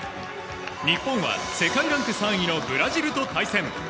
日本は世界ランク３位のブラジルと対戦。